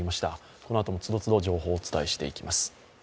このあとも都度都度情報をお伝えしていきます。